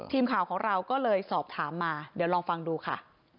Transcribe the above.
ทีมข่าวของเราก็เลยสอบถามมาเดี๋ยวลองฟังดูค่ะ